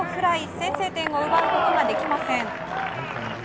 先制点を奪うことができません。